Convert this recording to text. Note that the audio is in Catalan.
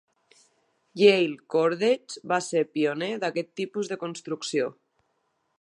Yale Cordage va ser pioner d'aquest tipus de construcció.